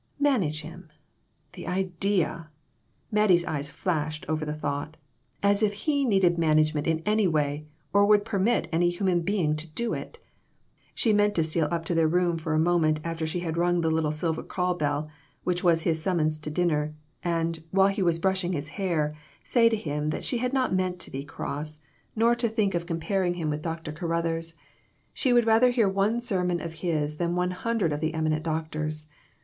" Manage him !" The idea ! Mattie's eyes flashed over the thought. As if he needed man agement in any way, or would permit any human being to do it. She meant to steal up to their room for a moment after she had rung the little silver call bell which was his summons to dinner, and, while he was brushing his hair, say to him that she had not meant to be "cross," nor to 84 A SMOKY ATMOSPHERE. think of comparing him with Dr. Caruthers. She would rather hear one sermon of his than one hundred of the eminent doctor's.